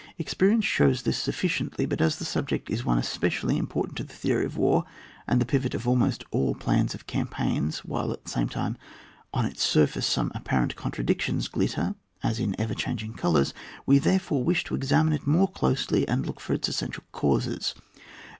Experience shows this suffi ciently ; but as the subject is one espe cially important for the theory of war, and the pivot of almost all plans of oampaignsi while, at the same time, on its surface some apparent contradictions glitter, as in ever changing colours, we therefore wish to examine it more doselyi and look for its essential causes.